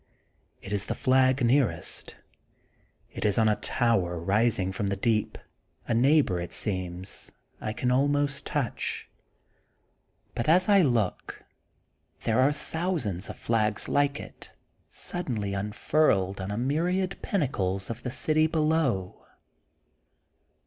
It is the flag nearest. It is on a tower rising from the deep, a neighbor^ it seems, I can almost tonch. Bnt as I look there are thousands of flags like it suddenly unfurled on a myriad pinnacles of the city below.